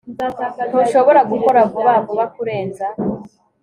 Ntushobora gukora vuba vuba kurenza